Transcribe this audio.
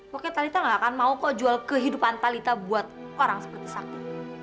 pokoknya talitha gak akan mau kok jual kehidupan talitha buat orang seperti sakti